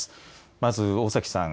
まず大崎さん。